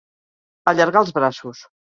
Allargar els braços.